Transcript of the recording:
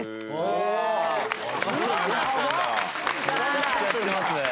めちゃくちゃやってますね。